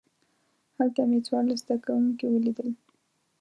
هلته مې څوارلس زده کوونکي ولیدل.